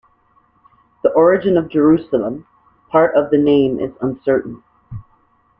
The origin of the "Jerusalem" part of the name is uncertain.